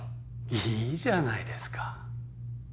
いいじゃないですか。